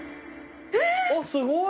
あっすごい。